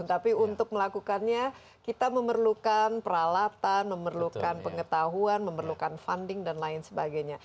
tapi untuk melakukannya kita memerlukan peralatan memerlukan pengetahuan memerlukan funding dan lain sebagainya